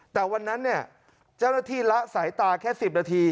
แต่วันนั้นเนี่ยเจ้าหน้าที่ละสายตาแค่๑๐นาที